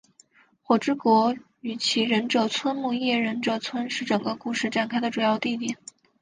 火之国与其忍者村木叶忍者村是整个故事展开的主要地点。